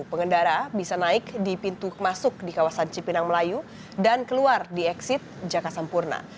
pengendara bisa naik di pintu masuk di kawasan cipinang melayu dan keluar di exit jakarta sempurna